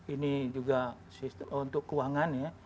ini juga untuk keuangan